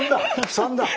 ３だ！